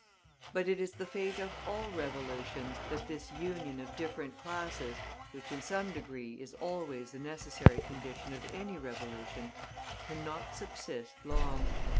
But it is the fate of all revolutions that this union of different classes, which in some degree is always the necessary condition of any revolution, cannot subsist long.